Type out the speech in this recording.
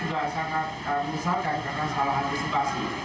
dan kami juga sangat besar karena salah antisipasi